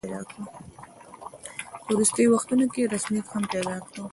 په وروستیو وختونو کې یې رسمیت هم پیدا کړ.